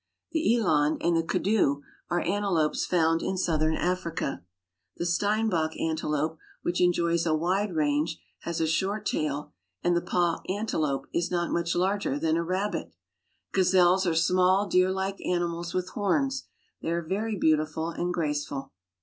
The eland and the koodoo are antelopes found in southern Africa. The steinbok ante THE STRANGE ANIMALS OF AFRICA ^^ do' [lope, which enjoys a wide range, has a short tail, and ithe pah antelope is not much larger than a rabMt [ Gazelles are small, deerlike animals with horns ; they are very beautiful and graceful.